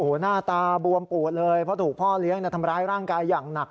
หน้าตาบวมปูดเลยเพราะถูกพ่อเลี้ยงทำร้ายร่างกายอย่างหนัก